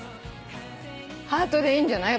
ハートでいいんじゃない？